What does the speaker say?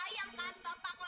ibu kenapa bu